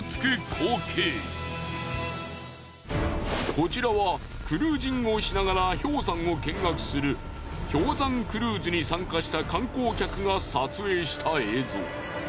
こちらはクルージングをしながら氷山を見学する氷山クルーズに参加した観光客が撮影した映像。